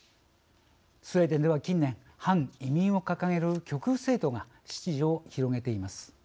スウェーデンでは近年反移民を掲げる極右政党が支持を広げています。